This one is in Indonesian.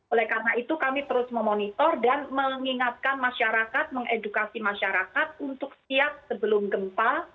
oleh karena itu kami terus memonitor dan mengingatkan masyarakat mengedukasi masyarakat untuk siap sebelum gempa